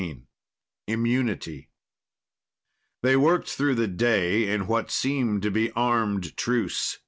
XIV Immunity They worked through the day in what seemed to be armed truce.